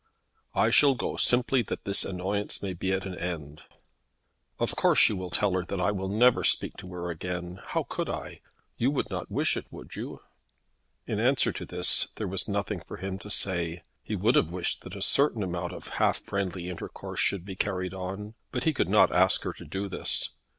"I shall go simply that this annoyance may be at an end." "Of course you will tell her that I will never speak to her again. How could I? You would not wish it; would you?" In answer to this there was nothing for him to say. He would have wished that a certain amount of half friendly intercourse should be carried on; but he could not ask her to do this.